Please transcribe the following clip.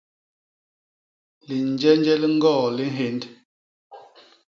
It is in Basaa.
Linjenje li ñgoo li nhénd.